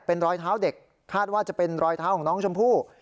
เป็นรอยเท้าเด็กคาดว่าจะเป็นรอยเท้าของน้องชมพู่